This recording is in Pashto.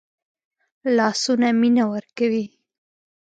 لاسونه مینه ورکوي